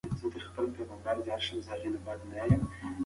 خیر محمد په خپل کار کې د رښتونولۍ تر ټولو لوړ مقام درلود.